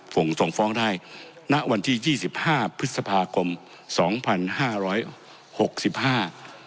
ส่งส่งฟ้องได้ณวันที่ยี่สิบห้าพฤษภาคมสองพันห้าร้อยหกสิบห้า